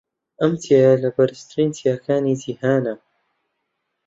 ئەم چیایە لە بەرزترین چیاکانی جیھانە.